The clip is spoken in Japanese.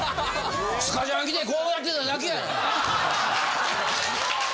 ・スカジャン着てこうやってただけやで。